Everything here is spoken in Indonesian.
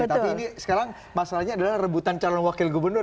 tapi ini sekarang masalahnya adalah rebutan calon wakil gubernur